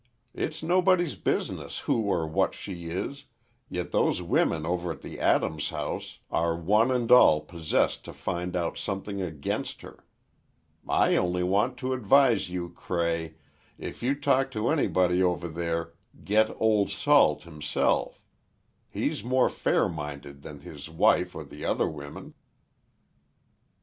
It's nobody's business who or what she is, yet those women over at the Adams house are one and all possessed to find out something against her. I only want to advise you, Cray, if you talk to anybody over there, get Old Salt himself. He's more fair minded than his wife or the other women."